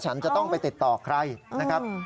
ฉันจะต้องไปติดต่อใครนะครับ